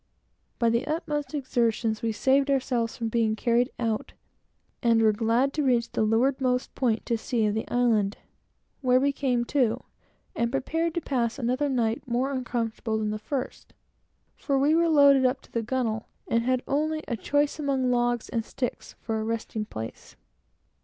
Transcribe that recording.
By the utmost exertions, we saved ourselves from being carried out to sea, and were glad to reach the leewardmost point of the island, where we came to, and prepared to pass another night, more uncomfortable than the first, for we were loaded up to the gunwale, and had only a choice among logs and sticks for a resting place.